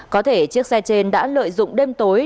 có thể chiếc xe trên đã lợi dụng đêm tối